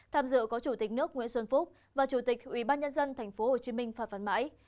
tham dự có chủ tịch nước nguyễn xuân phúc và chủ tịch ủy ban nhân dân tp hcm phạm văn mãi